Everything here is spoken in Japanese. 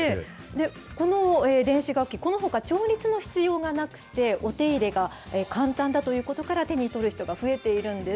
この電子楽器、このほか調律の必要がなくて、お手入れが簡単だということから、手に取る人が増えているんです。